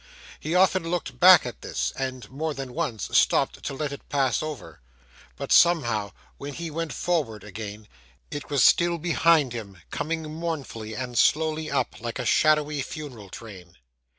He often looked back at this, and, more than once, stopped to let it pass over; but, somehow, when he went forward again, it was still behind him, coming mournfully and slowly up, like a shadowy funeral train.